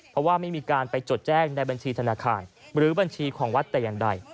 เพราะว่าไม่มีการไปจดแจ้งในบัญชีธนาคารหรือบัญชีของวัดแต่อย่างใด